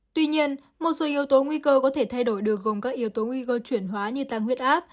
tuy nhiên một số yếu tố nguy cơ có thể thay đổi được gồm các yếu tố nguy cơ chuyển hóa như tăng huyết áp